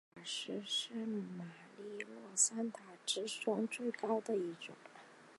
该塔是圣马利诺三塔之中最高的一座。